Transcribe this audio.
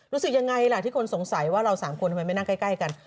รู้สึกยังไงล่ะที่คนสงสัยว่าเรา๓คนทำไมไม่นั่งใกล้กัน